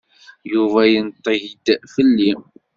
Yuba yenṭeg-d fell-i.